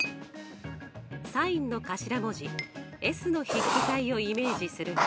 ｓｉｎの頭文字ｓの筆記体をイメージすると。